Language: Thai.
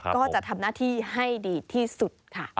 ก็จะทำหน้าที่ให้ดีที่สุดค่ะ